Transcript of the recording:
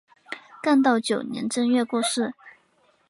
干道九年正月过世。